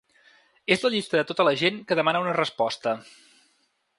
És la llista de tota la gent que demana una resposta.